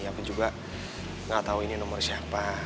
aku juga gak tau ini nomor siapa